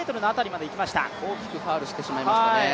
大きくファウルしてしまいましたね。